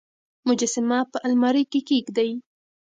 مجسمه په المارۍ کې کېږدئ.